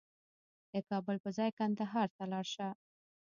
د کابل په ځای کندهار ته لاړ شه